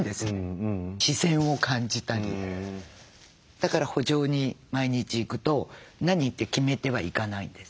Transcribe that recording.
だから圃場に毎日行くと何って決めては行かないんです。